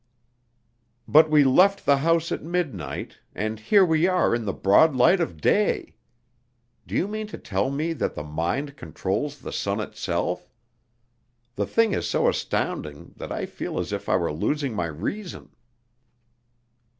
"But we left the house at midnight, and here we are in the broad light of day. Do you mean to tell me that the mind controls the sun itself? The thing is so astounding that I feel as if I were losing my reason."